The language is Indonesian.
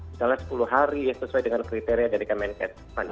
misalnya sepuluh hari sesuai dengan kriteria dari kesehatan masing masing